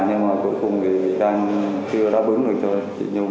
nhưng mà cuối cùng thì vị trang chưa đáp ứng được cho chị nhung